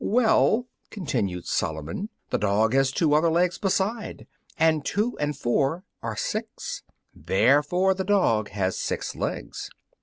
"Well," continued Solomon, "the dog has two other legs, besides, and two and four are six; therefore the dog has six legs."